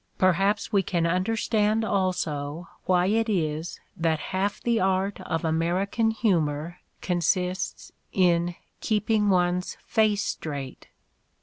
Perhaps we can understand also why it is that half the art of American humor consists in "keeping one's face straight."